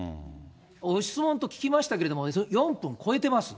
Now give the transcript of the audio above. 質問と聞きましたけれども、４分超えてます。